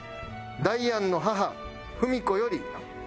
「ダイアンの母文子より」